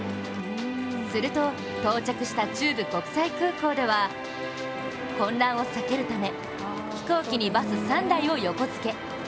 すると、到着した中部国際空港では混乱を避けるため、飛行機にバス３台を横付け。